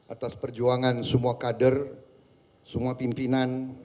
atas perjuangan semua kader semua pimpinan